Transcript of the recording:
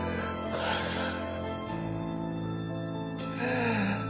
母さん。